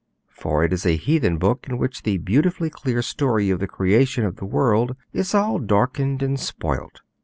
For it is a heathen book, in which the beautiful clear story of the Creation of the world is all darkened and spoilt.